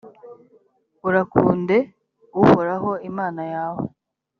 «urakunde uhoraho imana yawe»